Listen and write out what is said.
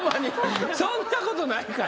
そんなことないから！